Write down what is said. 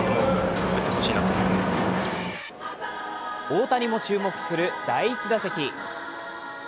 大谷も注目する第１打席。